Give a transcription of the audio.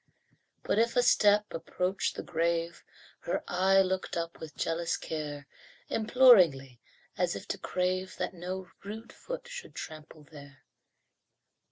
But if a step approached the grave Her eye looked up with jealous care, Imploringly, as if to crave That no rude foot should trample there.